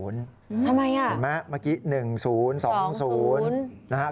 ทำไมอะเห็นไหมมากั้น๐๑๒๐